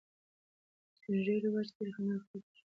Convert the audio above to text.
سپین ږیري وایي چې ډېر خندل روغتیا ته ښه دي.